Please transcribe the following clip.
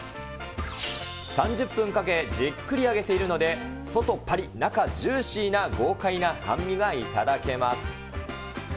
３０分かけ、じっくり揚げているので、外ぱりっ、中ジューシーな豪快な半身が頂けます。